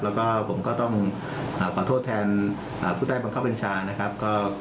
แล้วก็ผมก็ต้องขอโทษแทนผู้ใต้บังคับบัญชานะครับ